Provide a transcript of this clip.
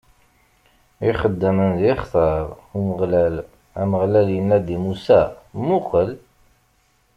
Ixeddamen i d-ixtaṛ Umeɣlal Ameɣlal inna-d i Musa: Muqel!